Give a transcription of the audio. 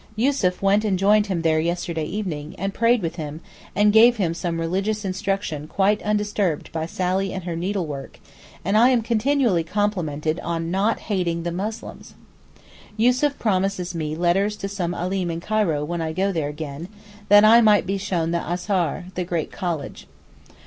Yussuf went and joined him there yesterday evening, and prayed with him, and gave him some religious instruction quite undisturbed by Sally and her needlework, and I am continually complimented on not hating the Muslims. Yussuf promises me letters to some Alim in Cairo when I go there again, that I may be shown the Azhar (the great college).